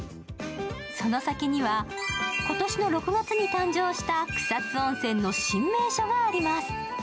その先には今年の６月に誕生した草津温泉の新名所があります。